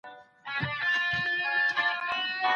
انټرناسيونالېزم تر ملي فکر پراخه ګڼل کېږي.